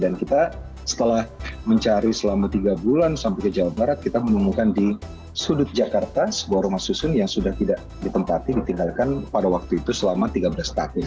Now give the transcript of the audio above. dan kita setelah mencari selama tiga bulan sampai ke jawa barat kita menemukan di sudut jakarta sebuah rumah susun yang sudah tidak ditempatkan ditinggalkan pada waktu itu selama tiga belas tahun